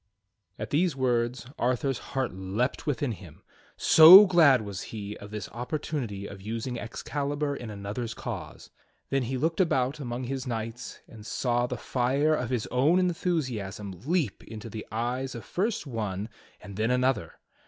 At these words Arthur's heart leaped within him, so glad was he of this opportunity of using Excalibur in another's cause. Then he looked about among his knights and saw the fire of his own enthusiasm leap into the eyes of first one and then another.